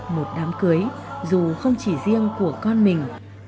một đám cưới dù không chỉ riêng của con mình